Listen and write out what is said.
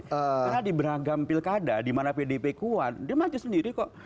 karena di beragam pilkada di mana pdip kuat dia maju sendiri kok